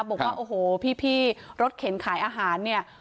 บอกว่าโอ้โหพี่รถเข็นขายอาหารเนี่ย